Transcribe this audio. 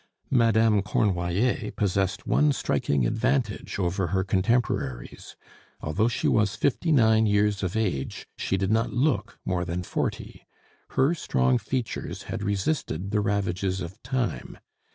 Madame Cornoiller possessed one striking advantage over her contemporaries. Although she was fifty nine years of age, she did not look more than forty. Her strong features had resisted the ravages of time.